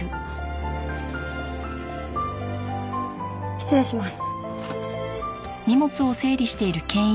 失礼します。